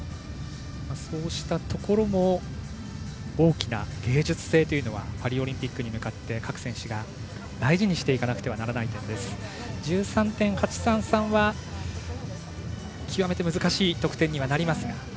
そうしたところも大きな芸術性というのはパリオリンピックに向かって各選手が大事にしていかなくてはならない点です。１３．８３３は極めて難しい得点にはなりますが。